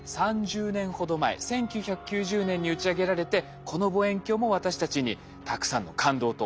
３０年ほど前１９９０年に打ち上げられてこの望遠鏡も私たちにたくさんの感動と驚きを届けてくれました。